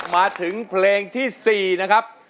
มาถึงเพลงที่๔นะครับ